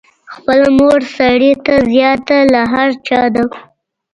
خپله مور سړي ته زیاته له هر چا ده.